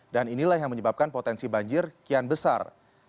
dan inilah yang menyebabkan potensi banjir kian besar